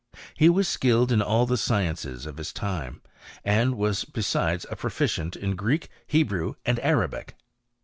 'He was skilled in all the sciences of his time, and was besides a proficient in Greek, Hebrew, and Arabic.